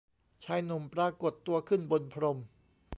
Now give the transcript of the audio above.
ชายหนุ่มปรากฏตัวขึ้นบนพรม